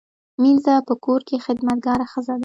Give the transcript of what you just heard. مینځه په کور کې خدمتګاره ښځه ده